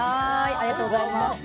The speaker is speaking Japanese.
ありがとうございます。